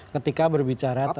ketika berbicara tentang